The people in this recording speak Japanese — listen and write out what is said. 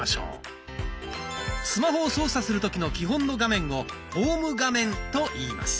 スマホを操作する時の基本の画面を「ホーム画面」と言います。